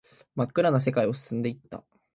真っ暗な世界を進んでいった